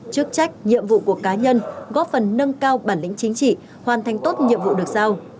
chức trách nhiệm vụ của cá nhân góp phần nâng cao bản lĩnh chính trị hoàn thành tốt nhiệm vụ được giao